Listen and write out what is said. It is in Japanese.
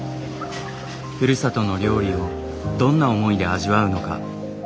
ふるさとの料理をどんな思いで味わうのか。